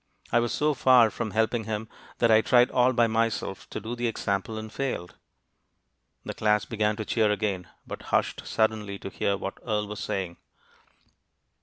"I was so far from helping him that I tried all by myself to do the example, and failed." The class began to cheer again, but hushed suddenly to hear what Earle was saying.